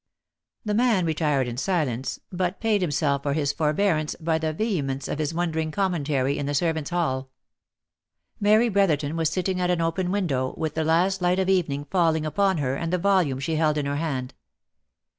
The man retired in silence, but paid himself for his forbearance by the vehemence of his wondering commentary in the servants' hall. Mary Brotherton was sitting at an open window, with the last light of evening falling upon her and the volume she held in her hand.